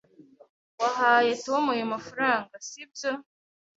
Wahaye Tom ayo mafaranga, sibyo?